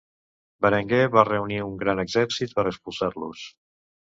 Berenguer va reunir un gran exercit per expulsar-los.